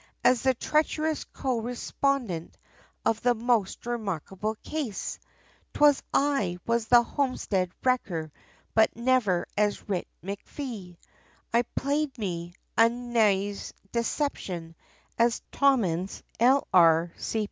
As the treacherous co respondent, of the most remarkable case, T'was I, was the homestead wrecker, but never as Writ MacFee, I played me, a knave's deception, as Tommins, L.R.